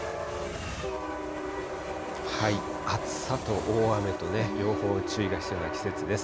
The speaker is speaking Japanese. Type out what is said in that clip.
暑さと大雨とね、両方注意が必要な季節です。